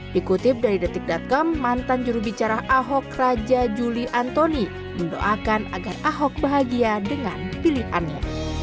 dikutip dari detik com mantan jurubicara ahok raja juli antoni mendoakan agar ahok bahagia dengan pilihannya